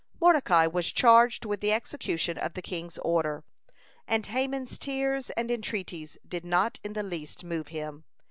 Mordecai was charged with the execution of the king's order, and Haman's tears and entreaties did not in the least move him.